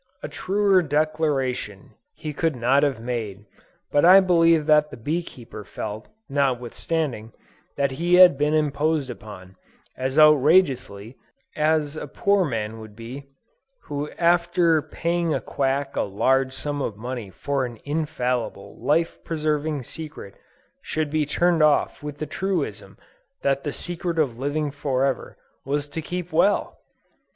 A truer declaration he could not have made, but I believe that the bee keeper felt, notwithstanding, that he had been imposed upon, as outrageously, as a poor man would be, who after paying a quack a large sum of money for an infallible, life preserving secret, should be turned off with the truism that the secret of living forever, was to keep well!